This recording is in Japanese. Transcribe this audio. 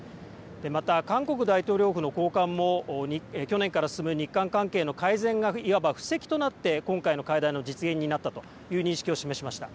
また、韓国大統領府の高官も去年から進む日韓関係の改善がいわば布石となって、今回の会談の実現になったという認識を示しました。